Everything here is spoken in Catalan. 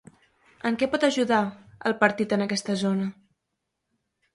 En què pot ajudar el partit a aquesta zona?